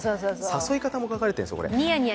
誘い方も書かれてるんです。